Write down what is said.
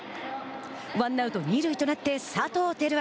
ワンアウト、二塁となって佐藤輝明。